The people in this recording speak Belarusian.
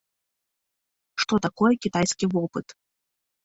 Што такое кітайскі вопыт?